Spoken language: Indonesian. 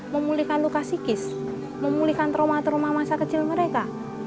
memulihkan luka psikis memulihkan trauma trauma masa kecil mereka